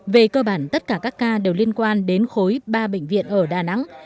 về cơ bản tất cả các ca đều liên quan đến khối ba bệnh viện ở đà nẵng